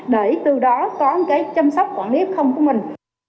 để từ đó có chăm sóc quản lý f của mình